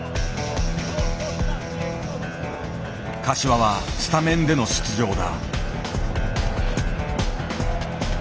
柏はスタメンでの出場だ。